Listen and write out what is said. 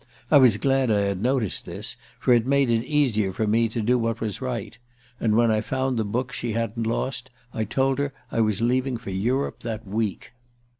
I was glad I had noticed this, for it made it easier for me to do what was right; and when I had found the book she hadn't lost I told her I was leaving for Europe that week.